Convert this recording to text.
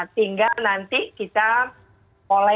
hingga nanti kita mulai mengevaluasi